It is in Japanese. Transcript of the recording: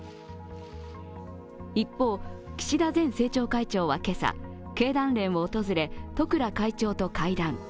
一方、岸田前政調会長は今朝、経団連を訪れ、十倉会長と会談。